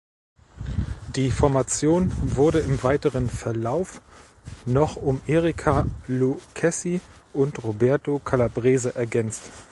Die Formation wurde im weiteren Verlauf noch um Erika Lucchesi und Roberto Calabrese ergänzt.